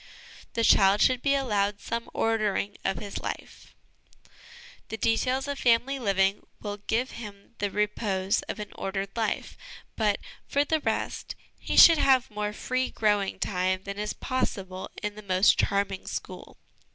The Child should be allowed some Ordering of his Life. The details of family living will give him the repose of an ordered life; but, for the rest, he should have more free growing time than is possible in the most charming school.